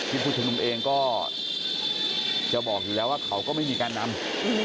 ผู้ชุมนุมเองก็จะบอกอยู่แล้วว่าเขาก็ไม่มีการนำ